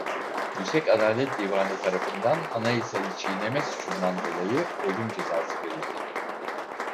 Yüksek Adalet Divanı tarafından Anayasayı çiğneme suçundan dolayı ölüm cezası verildi.